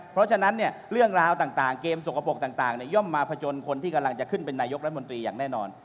เพราะฉะนั้นเรื่องราวต่างเกมสกปรกต่างย่อมมาผจญคนที่กำลังจะขึ้นเป็นนายกรัฐมนตรีอย่างแน่นอน